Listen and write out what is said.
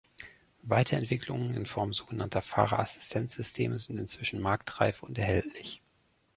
Weiterentwicklungen in Form sogenannter Fahrerassistenzsysteme sind inzwischen marktreif und erhältlich.